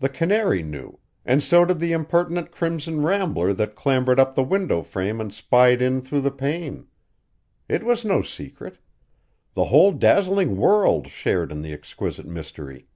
The canary knew, and so did the impertinent crimson rambler that clambered up the window frame and spied in through the pane. It was no secret. The whole dazzling world shared in the exquisite mystery.